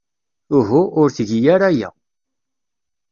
Uhu. Ur tgi ara aya.